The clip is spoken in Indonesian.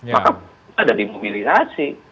maka ada di mobilisasi